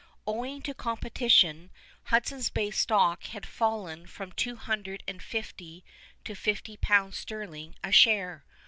Owing to competition Hudson's Bay stock had fallen from two hundred and fifty to fifty pounds sterling a share.